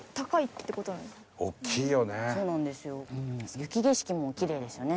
雪景色もきれいですよね。